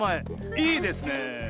いいですねえ。